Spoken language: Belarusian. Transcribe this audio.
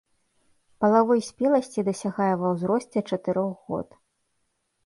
Палавой спеласці дасягае ва ўзросце чатырох год.